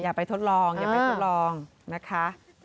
อย่าไปทดลองนะคะ